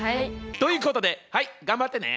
ということではい頑張ってね。